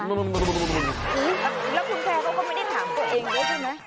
แล้วคุณแพเราก็ไม่ได้ถามตัวเองนะ